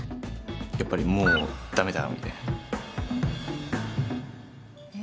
やっぱり「もう駄目だ」みたいな。え。